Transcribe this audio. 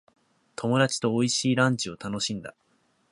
友達と美味しいランチを楽しんだ。